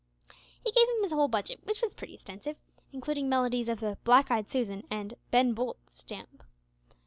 He gave him his whole budget which was pretty extensive including melodies of the "Black eyed Susan" and "Ben Bolt" stamp.